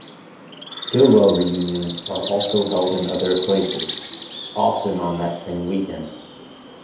Gilwell Reunions are also held in other places, often on that same weekend.